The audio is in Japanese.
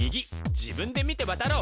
自分で見て渡ろう！